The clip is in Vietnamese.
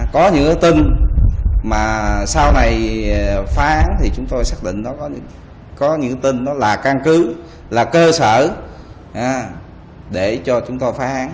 có những tin mà sau này phá án thì chúng tôi xác định nó là căn cứ là cơ sở để cho chúng tôi phá án